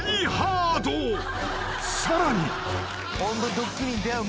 ［さらに］